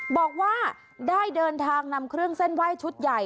บอกว่าได้เดินทางนำเครื่องเส้นไหว้ชุดใหญ่